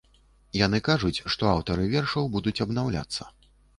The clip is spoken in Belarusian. Яны кажуць, што аўтары вершаў будуць абнаўляцца.